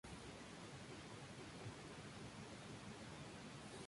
Hill ha declarado que le gusta pasar tiempo con sus amigos y familiares.